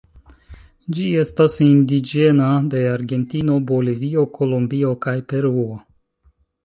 Ĝi estas indiĝena de Argentino, Bolivio, Kolombio kaj Peruo.